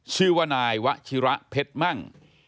ชื่อว่านายวะชิระเพชรมั่ง